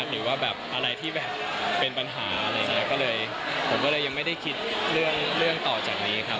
หรือว่าอะไรที่เป็นปัญหาผมก็เลยยังไม่ได้คิดเรื่องต่อจากนี้ครับ